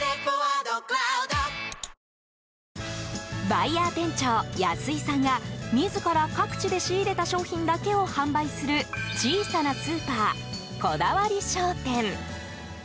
バイヤー店長・安井さんが自ら各地で仕入れた商品だけを販売する小さなスーパー、こだわり商店。